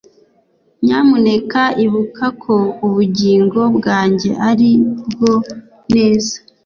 Nyamuneka ibuka ko ubugingo bwanjye ari bwo neza